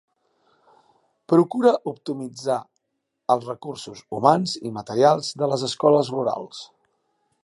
Procura optimitzar els recursos humans i materials de les escoles rurals.